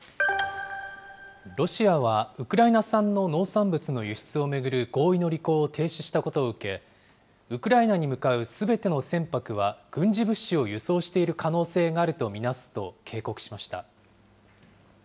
ロシアはウクライナ産の農産物の輸出を巡る合意の履行を停止したことを受け、ウクライナに向かうすべての船舶は、軍事物資を輸送している可能性があると見なすと警告しました。